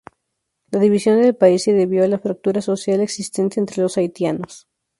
La división del país se debió a la fractura social existente entre los haitianos.